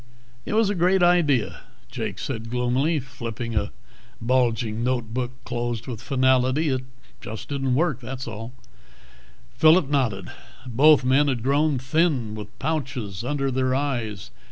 "It was a great idea," Jake said gloomily, flipping a bulging notebook closed with finality. "It just didn't work, was all." Phillip nodded. Both men had grown thin, with pouches under their eyes.